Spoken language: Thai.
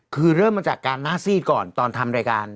คือเริ่มมาจากการหน้าซีดก่อนตอนทำรายการ